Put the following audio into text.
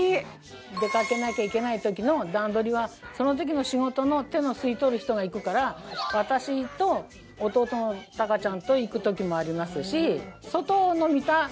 出かけなきゃいけない時の段取りはその時の仕事の手のすいとる人が行くから私と弟の孝ちゃんと行く時もありますし。